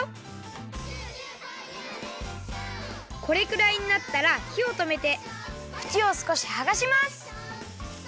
これくらいになったらひをとめてふちをすこしはがします！